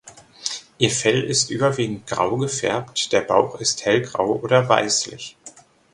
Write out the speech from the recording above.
Ihr Fell ist überwiegend grau gefärbt, der Bauch ist hellgrau oder weißlich.